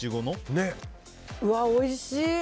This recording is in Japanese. うわ、おいしい！